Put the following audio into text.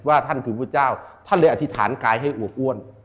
ว่าท่านผุมพุทธเจ้าท่านเลยอธิษฐานกายให้อวกอ้วน